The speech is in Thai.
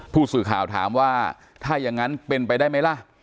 ผู้สื่อข่าวถามว่าถ้าอย่างนั้นเป็นไปได้ไหมล่ะ